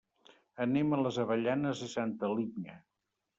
Anem a les Avellanes i Santa Linya.